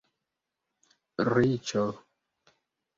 Riĉo